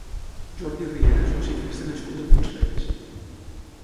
Jordi Riera és un ciclista nascut a Puig-reig.